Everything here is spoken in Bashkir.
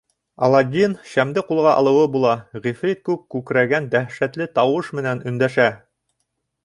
Аладдин шәмде ҡулға алыуы була, ғифрит күк күкрәгән дәһшәтле тауыш менән өндәшә: